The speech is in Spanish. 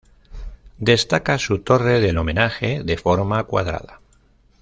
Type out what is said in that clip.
Destaca su torre del homenaje, de forma cuadrada.